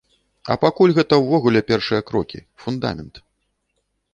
А пакуль гэта ўвогуле першыя крокі, фундамент.